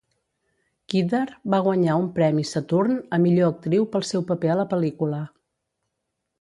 Kidder va guanyar un premi Saturn a millor actriu pel seu paper a la pel·lícula.